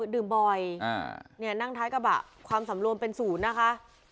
ดื่มบ่อยนั่งท้ายกระบะความสำรวมเป็นศูนย์นะคะ